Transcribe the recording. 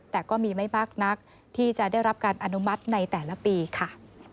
แต่ก็มีไม่มากนักที่จะได้รับการอนุมัติในแต่ละปีค่ะ